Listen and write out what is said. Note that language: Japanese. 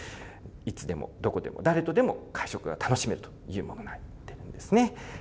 いつでもどこでも誰とでも会食が楽しめるというものなんですね。